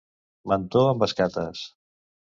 Mentó amb escates.